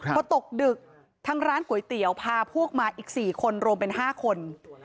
เพราะตกดึกทั้งร้านก๋วยเตี๋ยวพาพวกมาอีกสี่คนโรมเป็นห้าคน